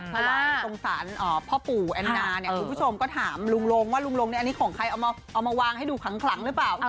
เพราะว่าตรงศาลพ่อปู่แอนนาเนี่ยคุณผู้ชมก็ถามลุงลงว่าลุงลงเนี่ยอันนี้ของใครเอามาวางให้ดูขลังหรือเปล่า